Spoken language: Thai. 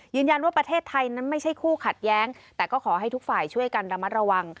ประเทศไทยนั้นไม่ใช่คู่ขัดแย้งแต่ก็ขอให้ทุกฝ่ายช่วยกันระมัดระวัง